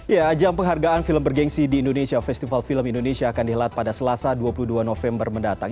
ya jam penghargaan film bergensi di indonesia festival film indonesia akan dihelat pada selasa dua puluh dua november mendatang